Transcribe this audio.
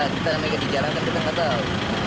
kita juga di jarangkan betul betul